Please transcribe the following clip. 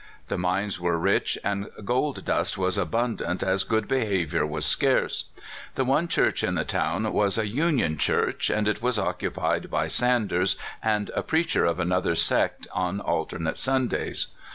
The mines were rich, and gold dust was abundant as good behavior was scarce. The. one church in the town was a "union church/' and it was occupied by Sanders and a preacher of another sect on alternate Sundays.